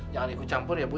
jangan ikut campur ya bu